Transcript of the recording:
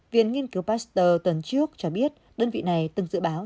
viện nghiên cứu pasteur tuần trước cho biết đơn vị này từng dự báo